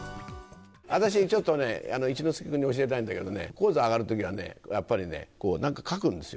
私、ちょっとね、一之輔君に教えたいんだけどね、高座上がるときはね、やっぱりね、なんか書くんですよ。